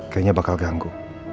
kayaknya bakal ganggu